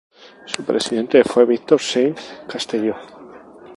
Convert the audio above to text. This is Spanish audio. Su presidente fue Víctor Saiz Castelló.